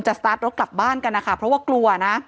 สตาร์ทรถกลับบ้านกันนะคะเพราะว่ากลัวนะ